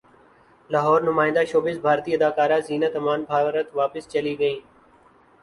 لاہورنمائندہ showbiz بھارتی اداکارہ زینت امان بھارت واپس چلی گئیں